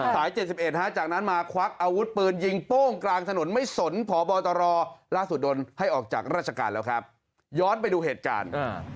๗๑จากนั้นมาควักอาวุธปืนยิงโป้งกลางถนนไม่สนพบตรล่าสุดโดนให้ออกจากราชการแล้วครับย้อนไปดูเหตุการณ์